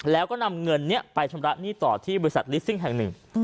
แล้วก็นำเงินนี้ไปชำระหนี้ต่อที่บริษัทลิสซิ่งแห่งหนึ่ง